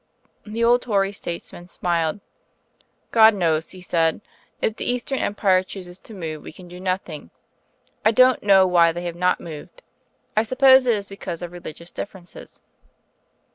The old Tory statesman smiled. "God knows," he said. "If the Eastern Empire chooses to move, we can do nothing. I don't know why they have not moved. I suppose it is because of religious differences."